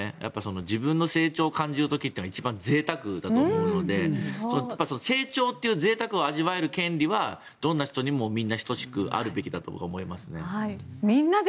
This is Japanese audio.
自分の成長を感じる時は一番ぜいたくだと思うので成長というぜいたくを味わえる権利はどんな人にも等しくあるべきだと思いますね。